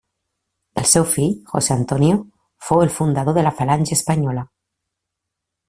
El seu fill, José Antonio fou el fundador de la Falange Espanyola.